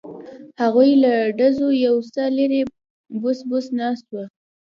هغوی له ډزو یو څه لرې بوڅ بوڅ ناست وو.